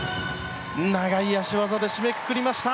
長い脚技で締めくくりました。